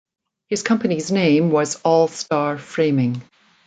His company's name was All Star Framing.